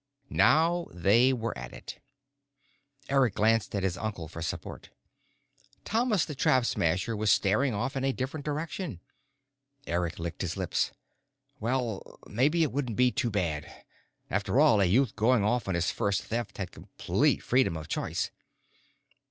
Now they were at it. Eric glanced at his uncle for support. Thomas the Trap Smasher was staring off in a different direction. Eric licked his lips. Well, maybe it wouldn't be too bad. After all, a youth going off on his first Theft had complete freedom of choice.